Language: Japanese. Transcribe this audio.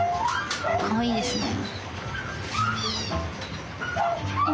かわいいですね。